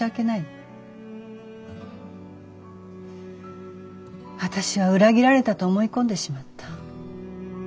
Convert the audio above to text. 私は裏切られたと思い込んでしまった。